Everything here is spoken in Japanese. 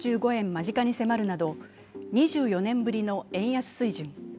間近に迫るなど２４年ぶりの円安水準。